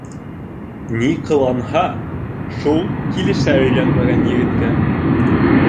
Ни ҡыланһа, шул килешә өйләнмәгән егеткә.